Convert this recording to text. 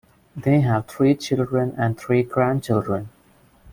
They have three children and three grandchildren.